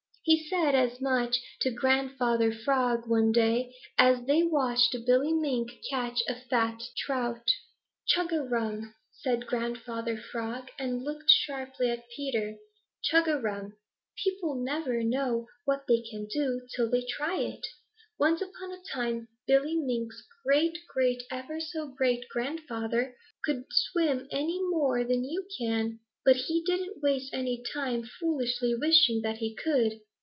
He said as much to Grandfather Frog one day, as they watched Billy Mink catch a fat trout. "Chug a rum!" said Grandfather Frog and looked sharply at Peter. "Chug a rum! People never know what they can do till they try. Once upon a time Billy Mink's great great ever so great grandfather couldn't swim any more than you can, but he didn't waste any time foolishly wishing that he could."